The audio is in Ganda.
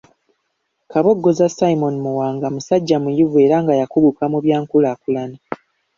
Kabogoza Simon Muwanga musajja muyivu era nga yakuguka mu byankulaakulana.